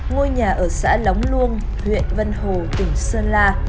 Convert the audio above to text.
ngôi nhà ở xã lóng luông huyện vân hồ tỉnh sơn la